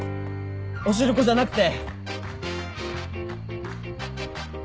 お汁粉じゃなくて。